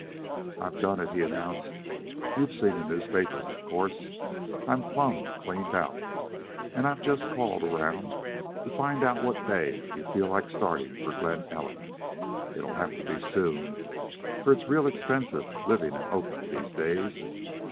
"I've done it," he announced. "You've seen the newspapers, of course. I'm plumb cleaned out, and I've just called around to find out what day you feel like starting for Glen Ellen. It'll have to be soon, for it's real expensive living in Oakland these days.